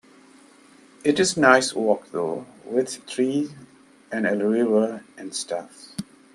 It's a nice walk though, with trees and a river and stuff.